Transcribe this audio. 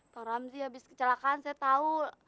tahu ramji abis kecelakaan saya tahu